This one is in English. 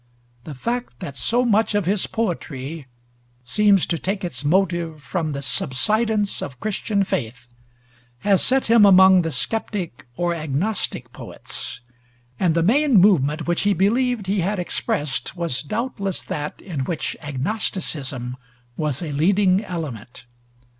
The fact that so much of his poetry seems to take its motive from the subsidence of Christian faith has set him among the skeptic or agnostic poets, and the "main movement" which he believed he had expressed was doubtless that in which agnosticism was a leading element.